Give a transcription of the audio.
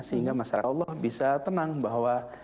sehingga masyarakat allah bisa tenang bahwa